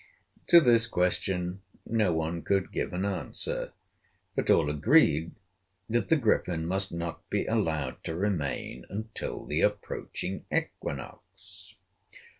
To this question no one could give an answer, but all agreed that the Griffin must not be allowed to remain until the approaching equinox.